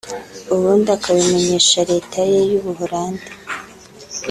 ubundi akabimenyesha Leta ye y’u Buholandi